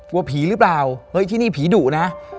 กลัวผีหรือเปล่าเฮ้ยที่นี่ผีดุนะ